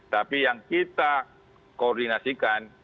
tapi yang kita koordinasikan